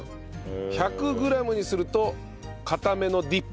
１００グラムにすると硬めのディップに仕上がりますと。